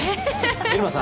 テルマさん